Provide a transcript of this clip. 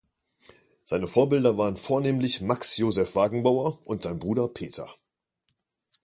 Seine Vorbilder waren vornehmlich Max Josef Wagenbauer und sein Bruder Peter.